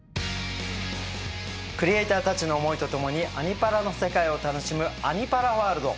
クリエーターたちの思いとともに「アニ×パラ」の世界を楽しむ「アニ×パラワールド」。